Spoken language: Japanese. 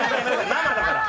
生だから！